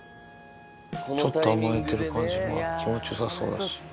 ちょっと甘えてる感じ気持ちよさそうだし。